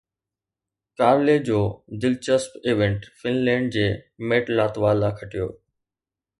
Carly جو دلچسپ event Finland جي ميٽ لاتوالا کٽيو